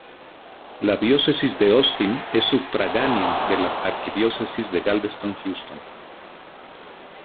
La Diócesis de Austin es sufragánea de la Arquidiócesis de Galveston-Houston.